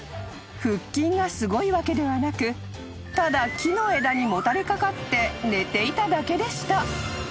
腹筋がすごいわけではなくただ木の枝にもたれ掛かって寝ていただけでした］